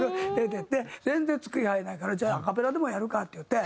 全然つく気配ないから「じゃあアカペラでもやるか」って言って。